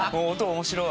面白い。